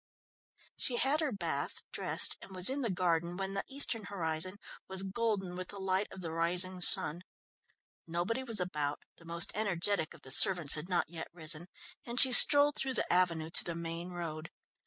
She had her bath, dressed, and was in the garden when the eastern horizon was golden with the light of the rising sun. Nobody was about, the most energetic of the servants had not yet risen, and she strolled through the avenue to the main road.